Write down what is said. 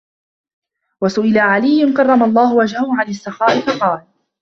وَسُئِلَ عَلِيٌّ كَرَّمَ اللَّهُ وَجْهَهُ عَنْ السَّخَاءِ فَقَالَ